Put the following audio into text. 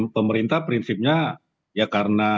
pemerintah prinsipnya ya karena